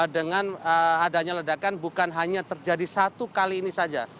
dengan adanya ledakan bukan hanya terjadi satu kali ini saja